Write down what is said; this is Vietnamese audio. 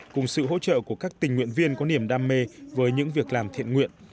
cùng sự hỗ trợ của các tình nguyện viên có niềm đam mê với những việc làm thiện nguyện